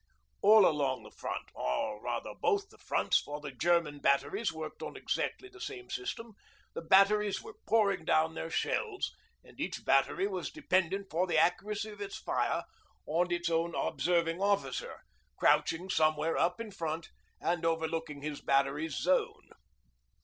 All along the front or rather both the fronts, for the German batteries worked on exactly the same system the batteries were pouring down their shells, and each battery was dependent for the accuracy of its fire on its own Observing Officer crouching somewhere up in front and overlooking his battery's 'zone.'